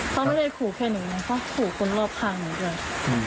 เขาไม่ได้ขู่แค่หนูนะเขาขู่คนรอบข้างหนูด้วย